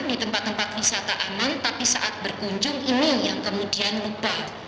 di tempat tempat wisata aman tapi saat berkunjung ini yang kemudian lupa